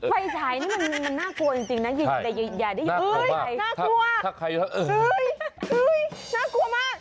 ไฟฉายนี่มันน่ากลัวจริงนะอย่าได้ยินน่ากลัวน่ากลัวมาก